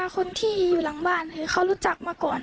คนที่อยู่หลังบ้านเขารู้จักมาก่อน